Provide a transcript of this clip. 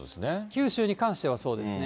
九州に関してはそうですね。